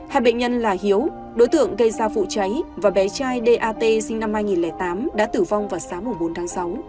hai bệnh nhân là hiếu đối tượng gây ra vụ cháy và bé trai dat sinh năm hai nghìn tám đã tử vong vào sáng bốn tháng sáu